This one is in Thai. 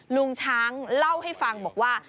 ลุงช้างเล่าให้ฟังบอกว่า